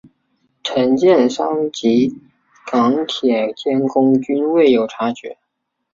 承建商及港铁监工均未有察觉。